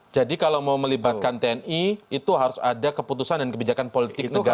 jadi kalau mau melibatkan tni itu harus ada keputusan dan kebijakan politik negara